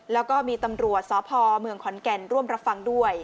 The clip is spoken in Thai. แล้วก็มีตำรวจสพเมืองขอนแก่นร่วมรับฟังด้วย